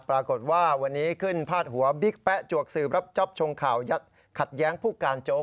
ปรากฏว่าวันนี้ขึ้นพาดหัวบิ๊กแป๊ะจวกสืบรับจ๊อปชงข่าวยัดขัดแย้งผู้การโจ๊ก